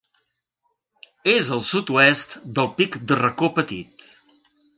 És al sud-oest del Pic de Racó Petit.